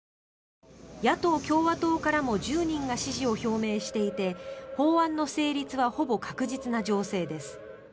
野党・共和党からも１０人が支持を表明していて法案の成立はほぼ確実な情勢です。